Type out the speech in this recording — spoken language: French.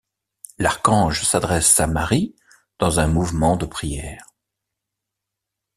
L'archange s'adresse à Marie dans un mouvement de prière.